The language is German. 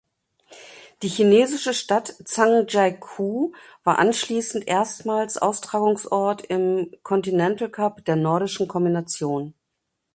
Die chinesische Stadt Zhangjiakou war anschließend erstmals Austragungsort im Continental Cup der Nordischen Kombination.